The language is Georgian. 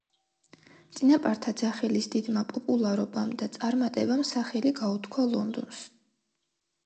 წინაპართა ძახილის დიდმა პოპულარობამ და წარმატებამ სახელი გაუთქვა ლონდონს.